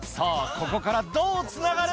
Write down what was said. ここからどうつながる？